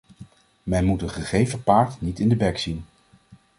Men moet een gegeven paard niet in de bek zien.